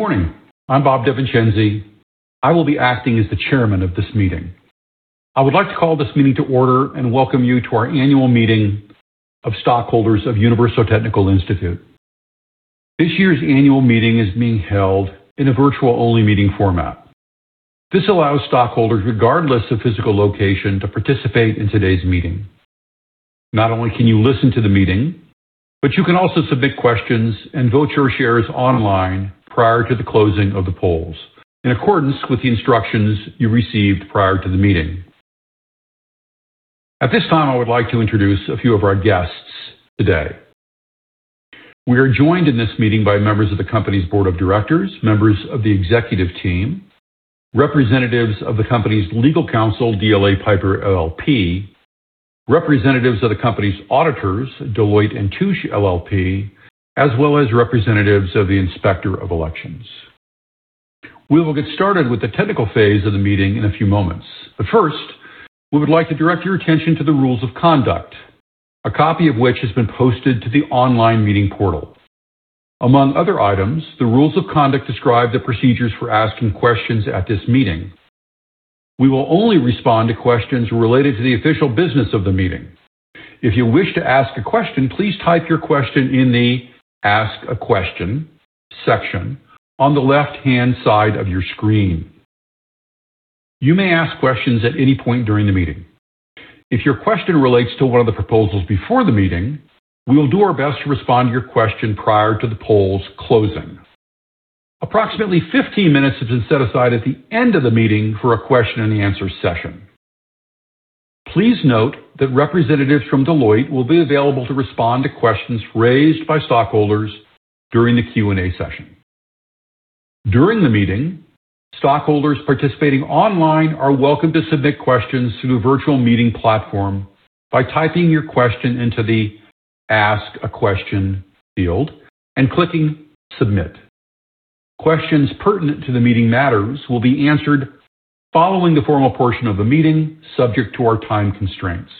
Morning. I'm Bob DeVincenzi. I will be acting as the chairman of this meeting. I would like to call this meeting to order and welcome you to our annual meeting of stockholders of Universal Technical Institute. This year's annual meeting is being held in a virtual only meeting format. This allows stockholders, regardless of physical location, to participate in today's meeting. Not only can you listen to the meeting, but you can also submit questions and vote your shares online prior to the closing of the polls in accordance with the instructions you received prior to the meeting. At this time, I would like to introduce a few of our guests today. We are joined in this meeting by members of the company's board of directors, members of the executive team, representatives of the company's legal counsel, DLA Piper LLP, representatives of the company's auditors, Deloitte & Touche LLP, as well as representatives of the Inspector of Elections. We will get started with the technical phase of the meeting in a few moments, but first, we would like to direct your attention to the rules of conduct, a copy of which has been posted to the online meeting portal. Among other items, the rules of conduct describe the procedures for asking questions at this meeting. We will only respond to questions related to the official business of the meeting. If you wish to ask a question, please type your question in the Ask a Question section on the left-hand side of your screen. You may ask questions at any point during the meeting. If your question relates to one of the proposals before the meeting, we will do our best to respond to your question prior to the polls closing. Approximately 15 minutes have been set aside at the end of the meeting for a question and answer session. Please note that representatives from Deloitte will be available to respond to questions raised by stockholders during the Q&A session. During the meeting, stockholders participating online are welcome to submit questions through the virtual meeting platform by typing your question into the Ask a Question field and clicking Submit. Questions pertinent to the meeting matters will be answered following the formal portion of the meeting, subject to our time constraints.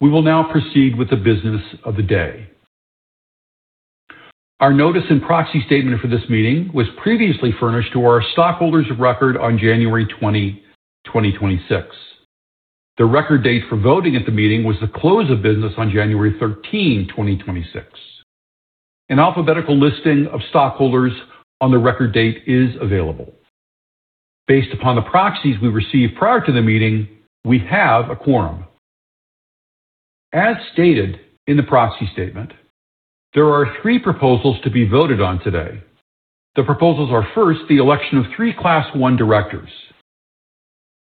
We will now proceed with the business of the day. Our notice and proxy statement for this meeting was previously furnished to our stockholders of record on January 20, 2026. The record date for voting at the meeting was the close of business on January 13, 2026. An alphabetical listing of stockholders on the record date is available. Based upon the proxies we received prior to the meeting, we have a quorum. As stated in the proxy statement, there are three proposals to be voted on today. The proposals are, first, the election of three Class I directors.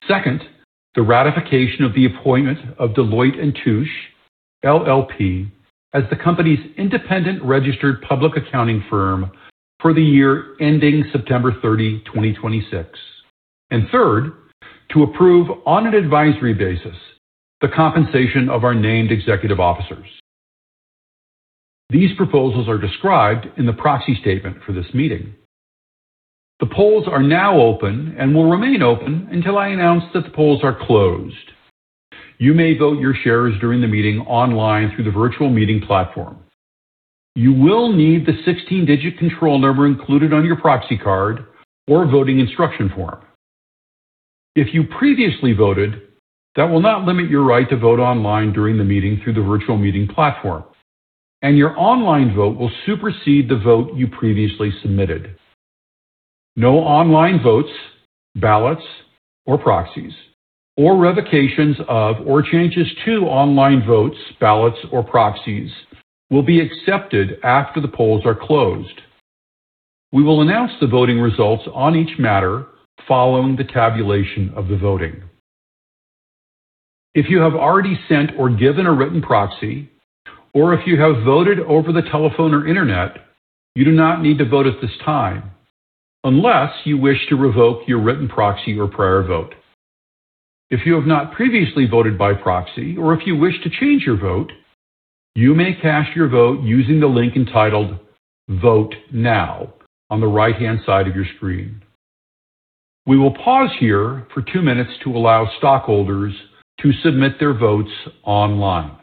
Second, the ratification of the appointment of Deloitte & Touche LLP as the company's independent registered public accounting firm for the year ending September 30, 2026. Third, to approve on an advisory basis the compensation of our named executive officers. These proposals are described in the proxy statement for this meeting. The polls are now open and will remain open until I announce that the polls are closed. You may vote your shares during the meeting online through the virtual meeting platform. You will need the 16-digit control number included on your proxy card or voting instruction form. If you previously voted, that will not limit your right to vote online during the meeting through the virtual meeting platform, and your online vote will supersede the vote you previously submitted. No online votes, ballots or proxies, or revocations of or changes to online votes, ballots or proxies will be accepted after the polls are closed. We will announce the voting results on each matter following the tabulation of the voting. If you have already sent or given a written proxy or if you have voted over the telephone or internet, you do not need to vote at this time unless you wish to revoke your written proxy or prior vote. If you have not previously voted by proxy or if you wish to change your vote, you may cast your vote using the link entitled Vote Now on the right-hand side of your screen. We will pause here for two minutes to allow stockholders to submit their votes online.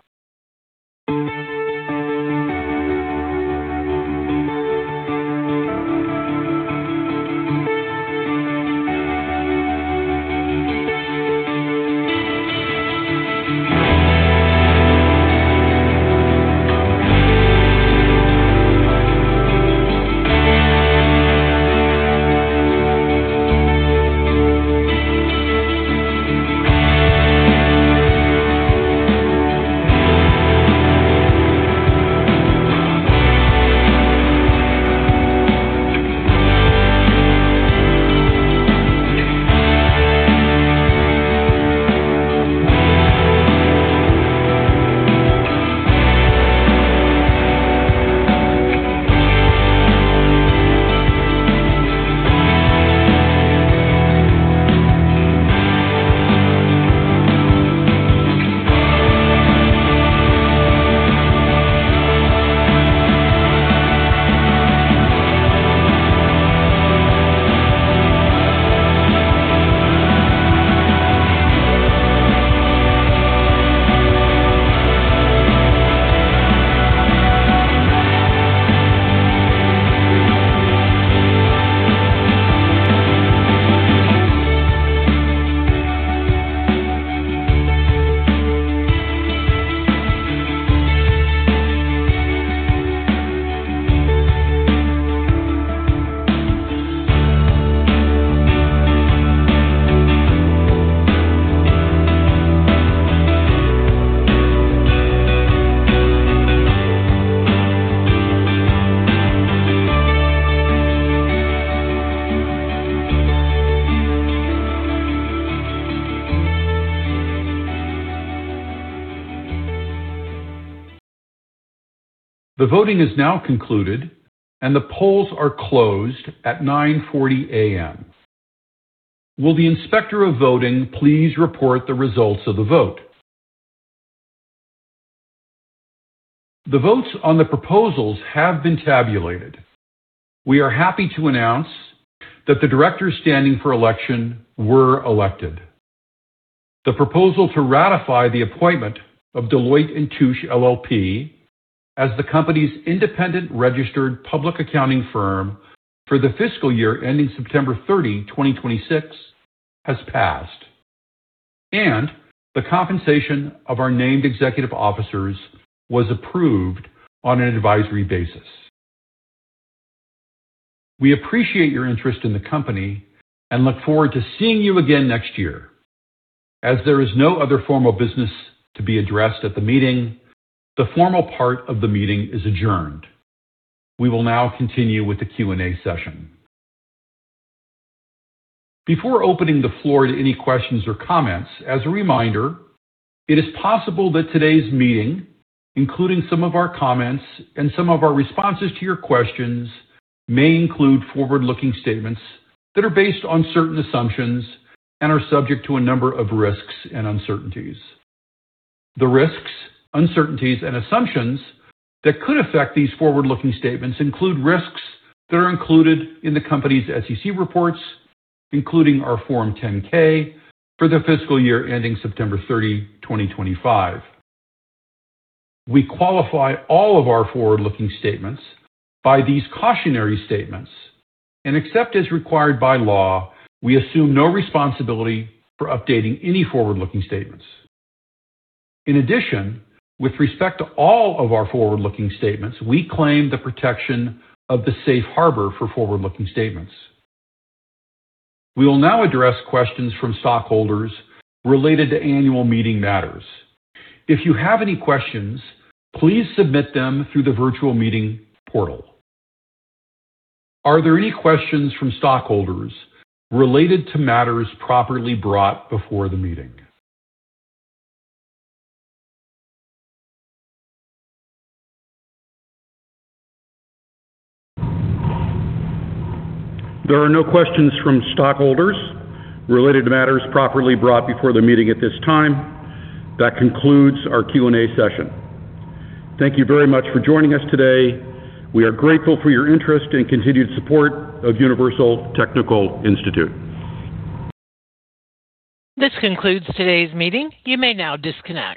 The voting is now concluded and the polls are closed at 9:40 A.M. Will the inspector of voting please report the results of the vote? The votes on the proposals have been tabulated. We are happy to announce that the directors standing for election were elected. The proposal to ratify the appointment of Deloitte & Touche LLP as the company's independent registered public accounting firm for the fiscal year ending September 30, 2026 has passed, and the compensation of our named executive officers was approved on an advisory basis. We appreciate your interest in the company and look forward to seeing you again next year. As there is no other formal business to be addressed at the meeting, the formal part of the meeting is adjourned. We will now continue with the Q&A session before opening the floor to any questions or comments. As a reminder, it is possible that today's meeting, including some of our comments and some of our responses to your questions, may include forward-looking statements that are based on certain assumptions and are subject to a number of risks and uncertainties. The risks, uncertainties, and assumptions that could affect these forward-looking statements include risks that are included in the company's SEC reports, including our Form 10-K for the fiscal year ending September 30, 2025. We qualify all of our forward-looking statements by these cautionary statements, and except as required by law, we assume no responsibility for updating any forward-looking statements. In addition, with respect to all of our forward-looking statements, we claim the protection of the safe harbor for forward-looking statements. We will now address questions from stockholders related to annual meeting matters. If you have any questions, please submit them through the virtual meeting portal. Are there any questions from stockholders related to matters properly brought before the meeting? There are no questions from stockholders related to matters properly brought before the meeting at this time. That concludes our Q&A session. Thank you very much for joining us today. We are grateful for your interest and continued support of Universal Technical Institute. This concludes today's meeting. You may now disconnect.